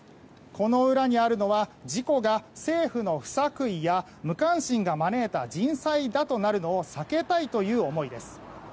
この裏にあるのは事故が政府の不作為や無関心が招いた人災だとなるのを避けたい思いです。